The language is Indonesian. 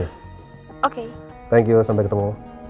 yuk sampai ketemu